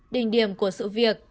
đình điểm của sự việc